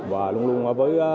và luôn luôn với